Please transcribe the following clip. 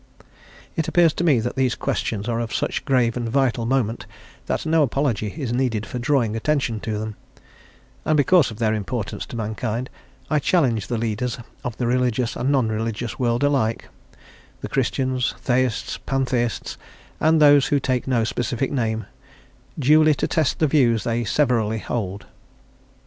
It appears to me that these questions are of such grave and vital moment that no apology is needed for drawing attention to them; and because of their importance to mankind I challenge the leaders of the religious and non religious world alike, the Christians, Theists, Pantheists, and those who take no specific name, duly to test the views they severally hold.